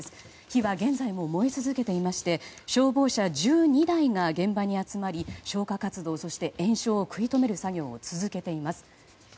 火は現在も燃え続けていまして消防車１２台が現場に集まり消火活動そして延焼を食い止める作業を続けています。